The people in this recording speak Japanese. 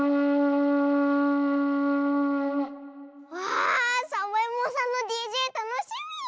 わあサボえもんさんのＤＪたのしみ。